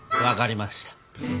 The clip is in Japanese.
分かりました。